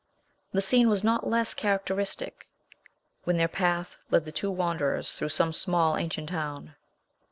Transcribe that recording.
The scene was not less characteristic when their path led the two wanderers through some small, ancient town.